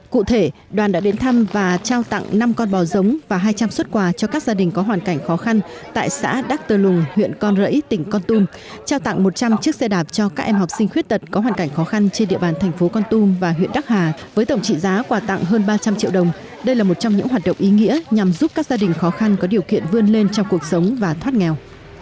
cụ thể đoàn đã đến thăm và trao tặng năm con bò giống và hai trăm linh xuất quà cho các gia đình có hoàn cảnh khó khăn tại xã đắc tờ lùng huyện con rẫy tỉnh con tum trao tặng một trăm linh chiếc xe đạp cho các em học sinh khuyết tật có hoàn cảnh khó khăn trên địa bàn thành phố con tum và huyện đắc hà với tổng trị giá quà tặng hơn ba trăm linh triệu đồng đây là một trong những hoạt động ý nghĩa nhằm giúp các gia đình khó khăn có điều kiện vươn lên trong cuộc sống và thoát nghèo